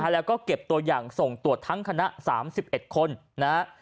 แล้วก็เก็บตัวอย่างส่งตรวจทั้งคณะ๓๑คนนะครับ